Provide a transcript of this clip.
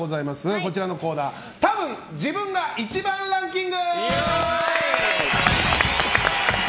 こちらのコーナーたぶん自分が１番ランキング！